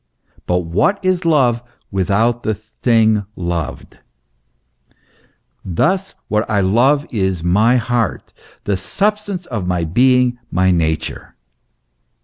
But w T hat is love without the thing loved ? Thus what I love is my heart, the substance of my being, my nature.